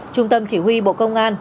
trung tâm chỉ huy bộ công an